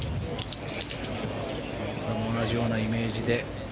これも同じようなイメージで。